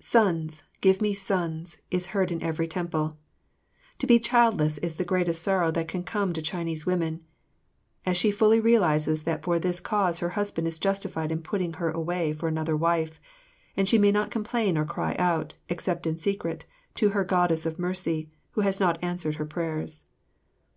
"Sons! Give me sons!" is heard in every temple. To be childless is the greatest sorrow that can come to Chinese women, as she fully realizes that for this cause her husband is justified in putting her away for another wife, and she may not complain or cry out, except in secret, to her Goddess of Mercy, who has not answered her prayers.